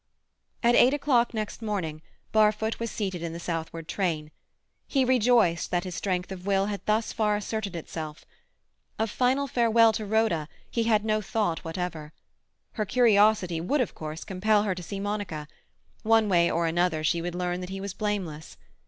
At eight o'clock next morning Barfoot was seated in the southward train. He rejoiced that his strength of will had thus far asserted itself. Of final farewell to Rhoda he had no thought whatever. Her curiosity would, of course, compel her to see Monica; one way or another she would learn that he was blameless.